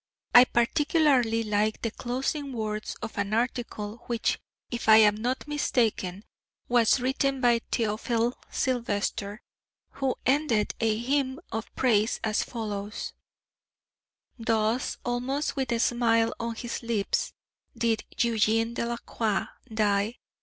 I particularly like the closing words of an article which, if I am not mistaken, was written by Théophile Silvestre, who ended a hymn of praise as follows: "Thus, almost with a smile on his lips, did Eugène Delacroix die.